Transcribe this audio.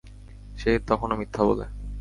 সে তখনো মিথ্যা বলে।